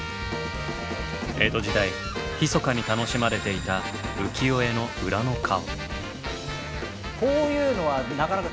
江戸時代ひそかに楽しまれていた浮世絵の裏の顔。